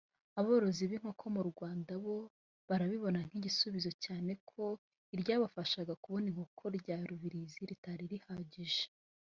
Aborozi b’inkoko mu Rwanda bo barabibona nk’igisubizo cyane ko iryabafashaga kubona inkoko rya Rubirizi ritari rihagije